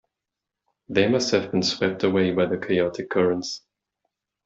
They must have been swept away by the chaotic currents.